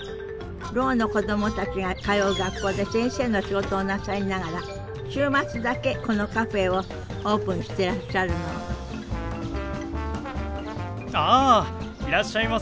ろうの子供たちが通う学校で先生の仕事をなさりながら週末だけこのカフェをオープンしてらっしゃるのあいらっしゃいませ。